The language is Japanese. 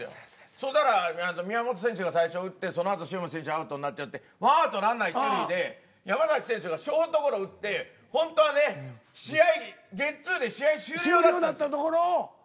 そしたら宮本選手が最初打ってそのあと塩見選手がアウトになっちゃって１アウトランナー１塁で山崎選手がショートゴロ打ってほんとはね試合ゲッツ―で試合終了だったんです。